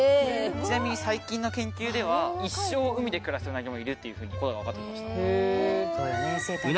ちなみに最近の研究では一生海で暮らすウナギもいるっていうことが分かって来ました。